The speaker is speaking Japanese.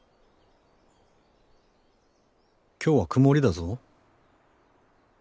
今日は曇りだぞ。